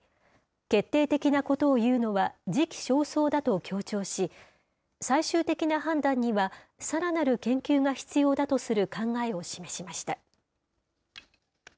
決定的なことを言うのは時期尚早だと強調し、最終的な判断には、さらなる研究が必要だとする考えを示しました。